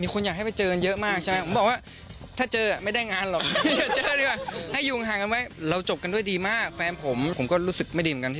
การจบกันด้วยดีเนี่ย